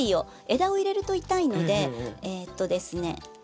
枝を入れると痛いのでえとですね